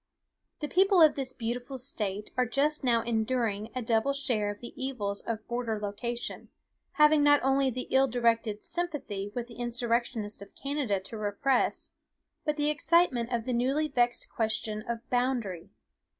The people of this beautiful State are just now enduring a double share of the evils of border location, having not only the ill directed "sympathy" with the insurrectionists of Canada to repress, but the excitement of the newly vexed question of boundary.